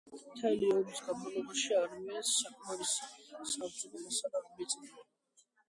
მთელი ომის განმავლობაშიც არმიას საკმარისი საბრძოლო მასალა არ მიეწოდებოდა.